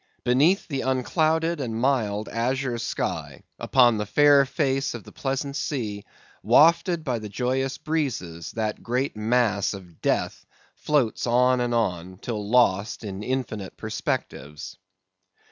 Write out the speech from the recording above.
Beneath the unclouded and mild azure sky, upon the fair face of the pleasant sea, wafted by the joyous breezes, that great mass of death floats on and on, till lost in infinite perspectives.